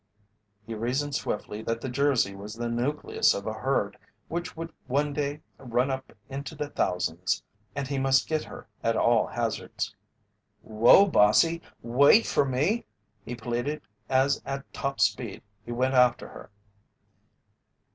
He reasoned swiftly that the Jersey was the nucleus of a herd which would one day run up into the thousands, and he must get her at all hazards. "Whoa! Bossy wait for me!" he pleaded as at top speed he went after her.